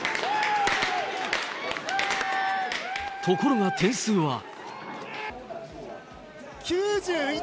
ところが、点数は。